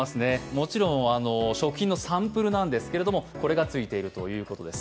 もちろん食品サンプルですけど、これがついているということです。